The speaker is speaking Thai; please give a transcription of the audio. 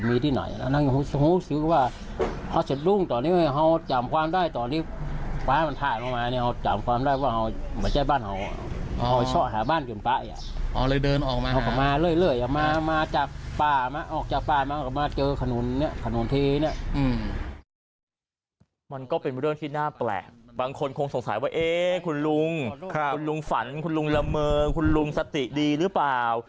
มันก็เป็นเรื่องที่น่าแปลกบางคนคงสงสัยว่าคุณลุงคุณลุงฝันคุณลุงละเมอคุณลุงสติดีหรือเปล่า